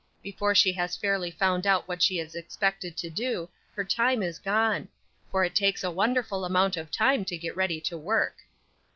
Before she has fairly found out what she is expected to do her time is gone; for it takes a wonderful amount of time to get ready to work."